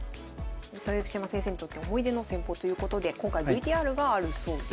豊島先生にとって思い出の戦法ということで今回ＶＴＲがあるそうです。